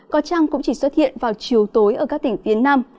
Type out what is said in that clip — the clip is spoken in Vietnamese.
có trăng cũng chỉ xuất hiện vào chiều tối ở các tỉnh phía nam